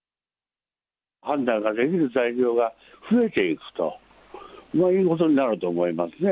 判断ができる材料が増えていくということになると思いますね。